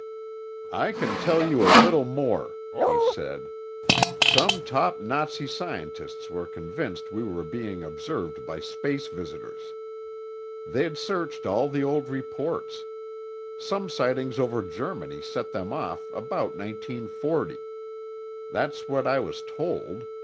"I can tell you a little more," he said. "Some top Nazi scientists were convinced we were being observed by space visitors. They'd searched all the old reports. Some sighting over Germany set them off about 1940. That's what I was told.